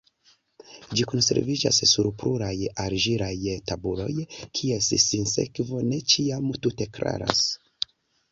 Ĝi konserviĝis sur pluraj argilaj tabuloj, kies sinsekvo ne ĉiam tute klaras.